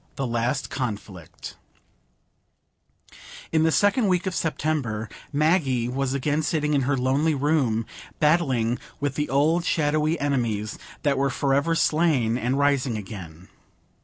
The Last Conflict In the second week of September, Maggie was again sitting in her lonely room, battling with the old shadowy enemies that were forever slain and rising again.